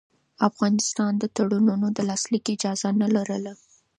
افغانستان د تړونونو د لاسلیک اجازه نه لرله.